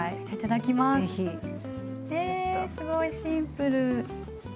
えすごいシンプル！